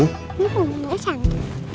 ini punggurnya cantik